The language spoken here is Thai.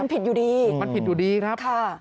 มันผิดอยู่ดีมันผิดอยู่ดีครับค่ะ